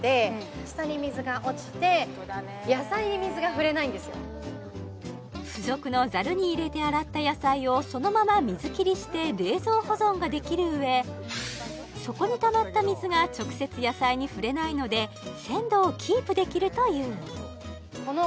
これはホントだね付属のザルに入れて洗った野菜をそのまま水切りして冷蔵保存ができるうえ底にたまった水が直接野菜に触れないので鮮度をキープできるというあ